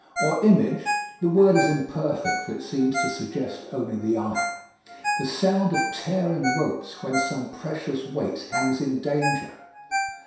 Or image (the word is imperfect, for it seems to suggest only the eye) the sound of tearing ropes when some precious weight hangs in danger.